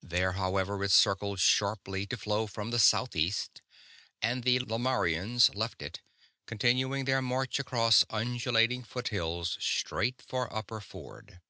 There, however, it circled sharply to flow from the south east and the Lomarrians left it, continuing their march across undulating foothills straight for Upper Ford.